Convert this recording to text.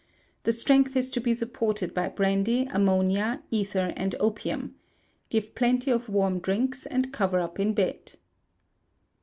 The strength is to be supported by brandy, ammonia, ether, and opium. Give plenty of warm drinks, and cover up in bed.